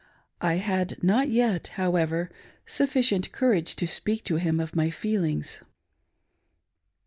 1 had not yet, however, sufficient courage to speak to him of my f eeUngs.